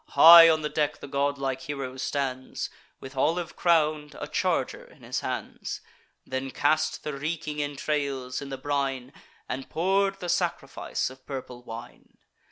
High on the deck the godlike hero stands, With olive crown'd, a charger in his hands; Then cast the reeking entrails in the brine, And pour'd the sacrifice of purple wine.